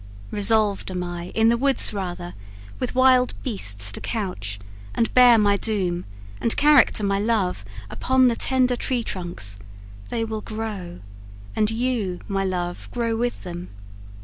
Resolved am I In the woods, rather, with wild beasts to couch, And bear my doom, and character my love Upon the tender tree trunks: they will grow, And you, my love, grow with them.